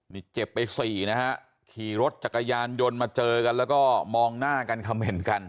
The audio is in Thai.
นี่เจ็บไปสี่นะฮะขี่รถจักรยานยนต์มาเจอกันแล้วก็มองหน้ากันคำเห็นกัน